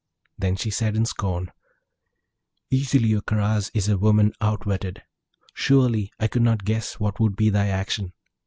Then she said in scorn, 'Easily, O Karaz, is a woman outwitted! Surely I could not guess what would be thy action!